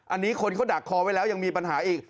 อันนี้คนเขาดักคอไว้แล้วยังมีปัญหาอีก